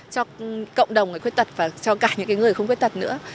cho cộng đồng người khuyết tật và cho cả những người không khuyết tật nữa